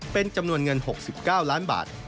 เป็นจำนวนเงิน๖๙ล้านบาท